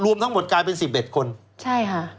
รวมทั้งหมดกลายเป็น๑๑คนใช่ค่ะ